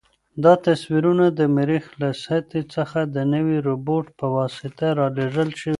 دا تصویرونه د مریخ له سطحې څخه د نوي روبوټ په واسطه رالېږل شوي.